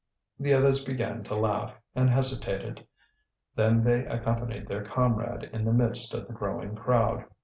The others began to laugh, and hesitated. Then they accompanied their comrade in the midst of the growing crowd.